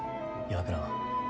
岩倉は。